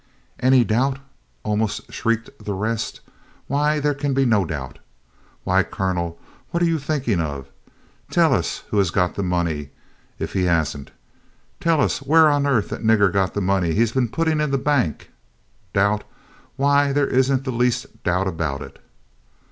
"Any doubt?" almost shrieked the rest. "Why, there can be no doubt. Why, Colonel, what are you thinking of? Tell us who has got the money if he has n't? Tell us where on earth the nigger got the money he 's been putting in the bank? Doubt? Why, there is n't the least doubt about it."